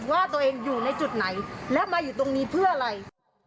ว่าตัวเองอยู่ในจุดไหนแล้วมาอยู่ตรงนี้เพื่ออะไร